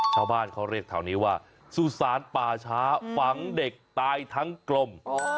ชาวบ้านเขาเรียกแถวนี้ว่าสุสานป่าช้าฝังเด็กตายทั้งกลม